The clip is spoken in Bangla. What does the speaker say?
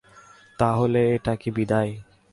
তাহলে, এটা কি বিদায়?